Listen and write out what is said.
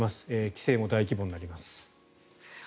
規制も大規模になります。